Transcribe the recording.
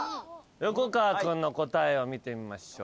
横川君の答えを見てみましょう。